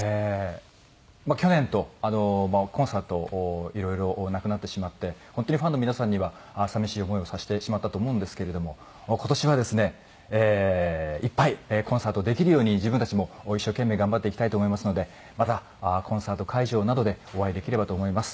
まあ去年とコンサートいろいろなくなってしまって本当にファンの皆さんには寂しい思いをさせてしまったと思うんですけれども今年はですねえーいっぱいコンサートできるように自分たちも一生懸命頑張っていきたいと思いますのでまたコンサート会場などでお会いできればと思います。